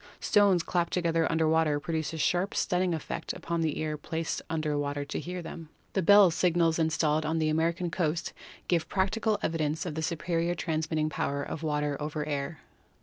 Stones clapped together under water produce a sharp stunning effect upon the ear placed under water to hear them. The bell signals SOUND 119 installed on the American coast give practical evidence of the superior transmitting power of water over air.